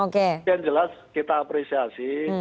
yang jelas kita apresiasi